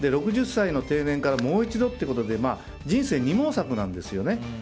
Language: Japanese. ６０歳の定年からもう一度ってことで人生、二毛作なんですよね。